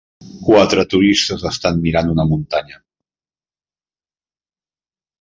Quatre turistes estan mirant una muntanya.